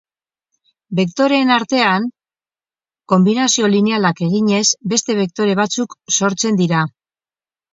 Bektoreen artean konbinazio linealak eginez beste bektore batzuk sortzen dira.